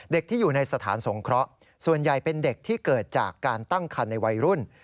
ที่อยู่ในสถานสงเคราะห์ส่วนใหญ่เป็นเด็กที่เกิดจากการตั้งคันในวัยรุ่น